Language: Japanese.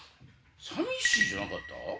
「寂しい」じゃなかった？